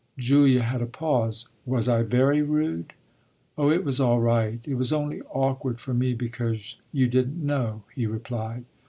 Julia had a pause. "Was I very rude?" "Oh it was all right; it was only awkward for me because you didn't know," he replied.